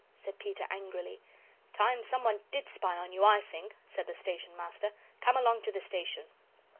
said Peter, angrily. "Time someone did spy on you, I think," said the Station Master. "Come along to the station."